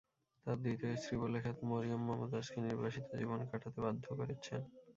তাঁর দ্বিতীয় স্ত্রী বলে খ্যাত মরিয়ম মমতাজকে নির্বাসিত জীবন কাটাতে বাধ্য করেছেন।